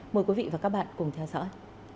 mời quý vị và các bạn cùng theo dõi